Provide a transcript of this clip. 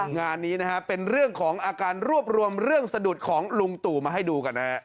งานนี้นะฮะเป็นเรื่องของอาการรวบรวมเรื่องสะดุดของลุงตู่มาให้ดูกันนะฮะ